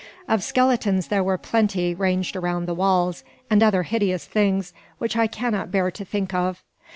Of skeletons there were plenty ranged around the walls, and other hideous things which I cannot bear to think of.